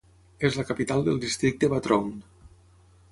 És la capital del districte Batroun.